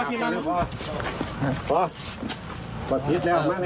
พ่อขอบคุณครับ